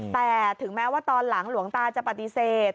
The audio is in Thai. แต่ถึงแม้ว่าตอนหลังหลวงตาจะปฏิเสธ